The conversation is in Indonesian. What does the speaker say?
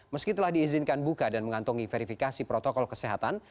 meski telah diizinkan buka dan mengantongi verifikasi protokol kesehatan